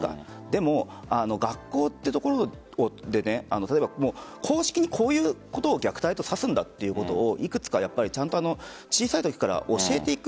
でも学校っていうところで公式にこういうことを虐待と指すんだということをいくつか小さいときから教えていく。